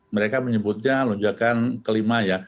mereka menyebutnya lonjakan kelima ya